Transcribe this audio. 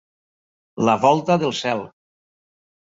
La volta del cel.